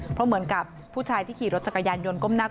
เพราะเหมือนกับผู้ชายที่ขี่รถจัดแบบจักรยานยนต์